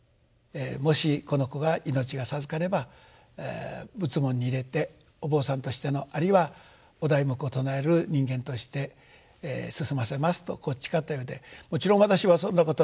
もしこの子が命が授かれば仏門に入れてお坊さんとしてのあるいはお題目を唱える人間として進ませますと誓ったようでもちろん私はそんなことは知りません。